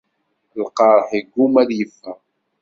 Lqerḥ iggumma a y-iffeɣ.